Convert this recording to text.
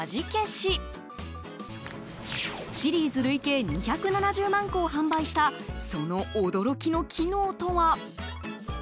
シリーズ累計２７０万個を販売したその驚きの機能とは。